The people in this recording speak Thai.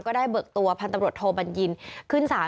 ก็ได้เบิกตัวพันธมรตโทบัญญินขึ้นสาร